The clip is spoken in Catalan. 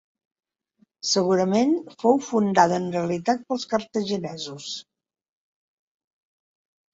Segurament, fou fundada en realitat pels cartaginesos.